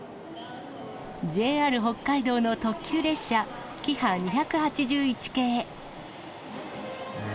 ＪＲ北海道の特急列車、キハ２８１系。